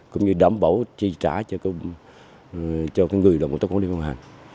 cũng như đảm bảo trị trả cho người đồng công tác quản lý điều hành